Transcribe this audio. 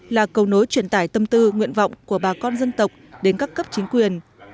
là cầu nối truyền tải tâm tư nguyện vọng của bà con dân tộc đến các cấp chính quyền